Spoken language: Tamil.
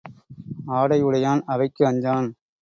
ஆடை உடையான் அவைக்கு அஞ்சான்.